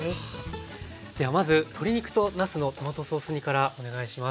ではまず鶏肉となすのトマトソース煮からお願いします。